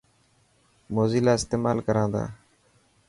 موزيلا استيمال ڪران تا.